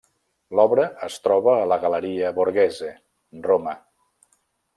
L'obra es troba a la Galeria Borghese, Roma.